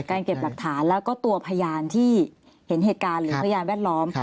เก็บหลักฐานแล้วก็ตัวพยานที่เห็นเหตุการณ์หรือพยานแวดล้อม